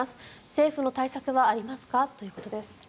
政府の対策はありますか？ということです。